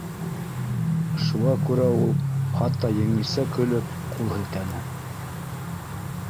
Шуға күрә ул, хатта еңелсә көлөп, ҡул һелтәне: